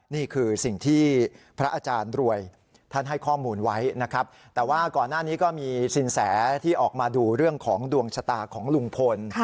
นี่คือสิ่งที่พระอาจารย์รวยท่านให้ข้อมูลไว้นะครับแต่ว่าก่อนหน้านี้ก็มีสินแสที่ออกมาดูเรื่องของดวงชะตาของลุงพล